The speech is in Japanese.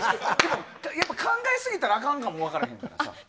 考えすぎたらあかんかも分からへん。